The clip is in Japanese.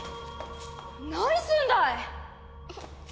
何すんだい！